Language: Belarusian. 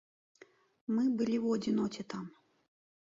Мы былі ў адзіноце там.